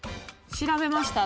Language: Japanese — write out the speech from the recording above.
調べました